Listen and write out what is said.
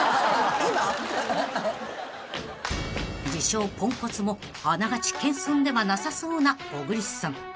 ［自称ポンコツもあながち謙遜ではなさそうな小栗さん］